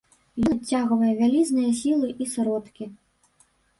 Ён адцягвае вялізныя сілы і сродкі.